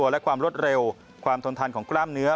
และความรวดเร็วความทนทานของกล้ามเนื้อ